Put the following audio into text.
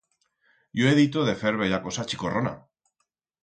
Yo he dito de fer bella cosa chicorrona.